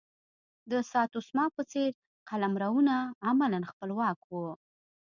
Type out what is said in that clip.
د ساتسوما په څېر قلمرونه عملا خپلواک وو.